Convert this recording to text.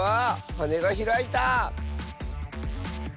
はねがひらいた！